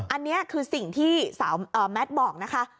อันนี้คือสิ่งที่สาวแมทบอกนะคะ